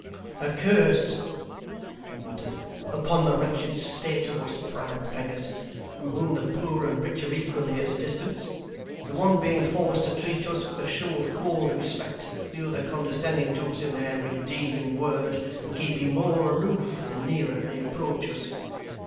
'A curse,' he muttered, 'upon the wretched state of us proud beggars, from whom the poor and rich are equally at a distance; the one being forced to treat us with a show of cold respect; the other condescending to us in their every deed and word, and keeping more aloof, the nearer they approach us.